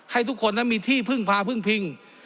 ให้ทุกคนนั้นมีที่พึ่งพาพึ่งพิง